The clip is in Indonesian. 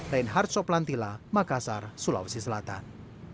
reinhard soplantila makassar sulawesi selatan